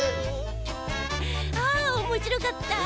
あおもしろかった！